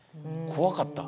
怖かった。